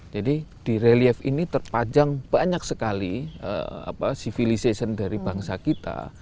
jadi di relief ini terpanjang banyak sekali civilisasi dari bangsa kita